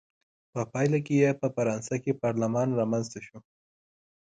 په پایله کې یې په فرانسه کې پارلمان رامنځته شو.